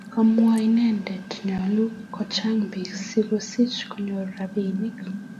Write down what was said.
kaomwa inendet nyalun ko chang bik sikosich konyor rabinik